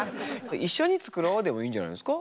「一緒に作ろう」でもいいんじゃないんですか？